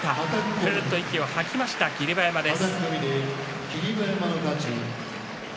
ふうっと息を吐きました霧馬山です。